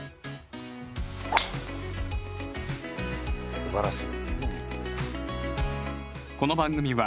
すばらしい。